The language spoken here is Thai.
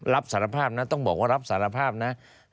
รับสารภาพนะต้องบอกว่ารับสารภาพนะ